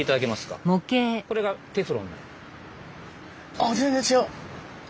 あ全然違う！